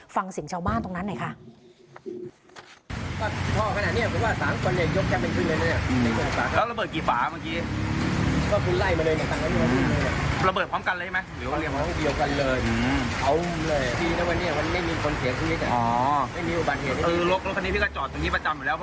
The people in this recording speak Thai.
ฟังเสียงชาวบ้านตรงนั้นหน่อยค่ะ